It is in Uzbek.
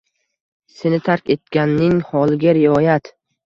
Seni tark etganning holiga rioyat